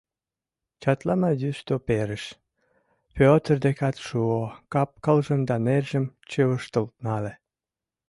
Чатлама йӱштӧ перыш, Пӧтыр декат шуо, кап-кылжым да нержым чывыштыл нале.